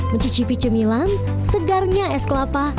mencicipi cemilan segarnya es kelapa